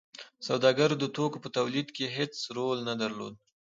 سوداګرو د توکو په تولید کې هیڅ رول نه درلود.